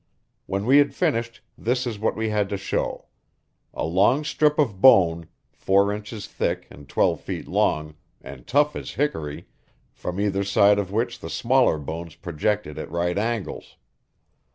When we had finished, this is what we had to show: A long strip of bone, four inches thick and twelve feet long, and tough as hickory, from either side of which the smaller bones projected at right angles.